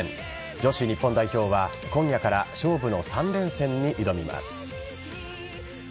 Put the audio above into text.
女子日本代表は今夜から勝負の３連戦に挑みます。